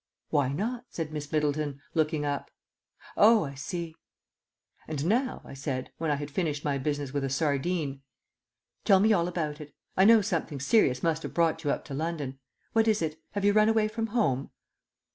"Why not?" said Miss Middleton, looking up. "Oh, I see." "And now," I said, when I had finished my business with a sardine, "tell me all about it. I know something serious must have brought you up to London. What is it? Have you run away from home?"